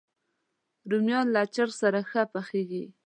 رومیان له چرګ سره ښه پخېږي